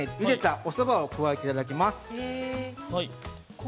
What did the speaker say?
◆おそばを加えていきます。